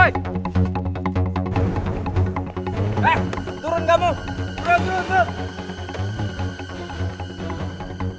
turun turun turun